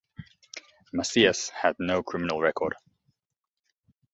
Macias had no criminal record.